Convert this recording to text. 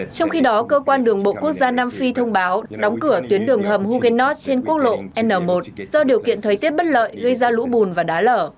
trong khi đó cơ quan đường bộ quốc gia nam phi thông báo đóng cửa tuyến đường hầm hogenos trên quốc lộ n một do điều kiện thời tiết bất lợi gây ra lũ bùn và đá lở